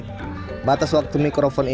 dpr ri puan maharani